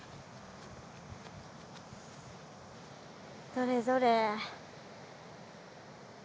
どれどれ。